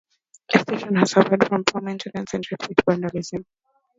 The station has suffered from poor maintenance and Repeat vandalism.